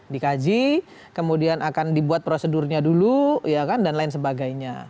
dikaji kemudian akan dibuat prosedurnya dulu dan lain sebagainya